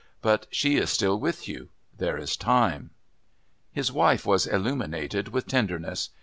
But she is still with you. There is time." His wife was illuminated with tenderness.